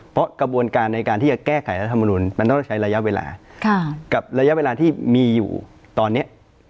เพราะกระบวนการในการที่จะแก้ไขรัฐมนุนมันต้องใช้ระยะเวลากับระยะเวลาที่มีอยู่ตอนนี้